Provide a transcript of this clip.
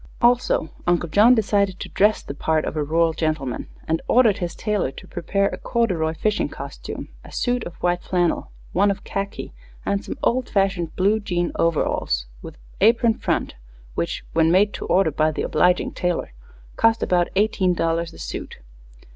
Also, Uncle John decided to dress the part of a rural gentleman, and ordered his tailor to prepare a corduroy fishing costume, a suit of white flannel, one of khaki, and some old fashioned blue jean overalls, with apron front, which, when made to order by the obliging tailor, cost about eighteen dollars a suit.